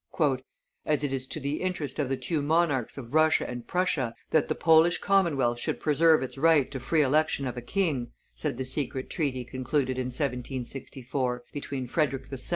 "As it is to the interest of the two monarchs of Russia and Prussia that the Polish commonwealth should preserve its right to free election of a king," said the secret treaty concluded in 1764 between Frederick II.